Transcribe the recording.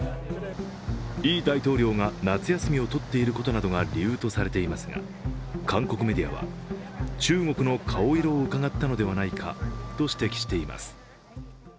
ユン大統領が夏休みを取っていることなどが理由とされていますが、韓国メディアは中国の顔色をうかがったのではないかと指摘しています。